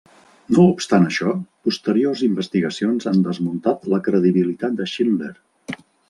No obstant això, posteriors investigacions han desmuntat la credibilitat de Schindler.